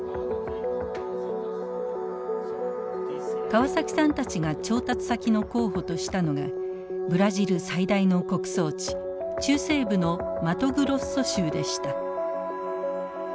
川崎さんたちが調達先の候補としたのがブラジル最大の穀倉地中西部のマトグロッソ州でした。